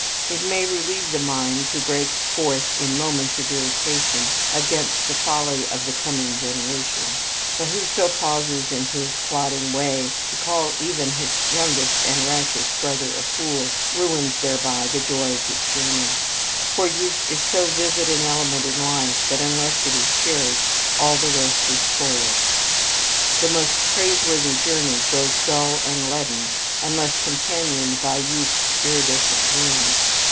It may relieve the mind to break forth in moments of irritation against "the folly of the coming generation," but whoso pauses on his plodding way to call even his youngest and rashest brother a fool, ruins thereby the joy of his journey, for youth is so vivid an element in life that unless it is cherished, all the rest is spoiled. The most praiseworthy journey grows dull and leaden unless companioned by youth's iridescent dreams.